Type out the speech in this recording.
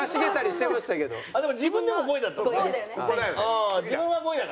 でも自分でも５位だったもんね。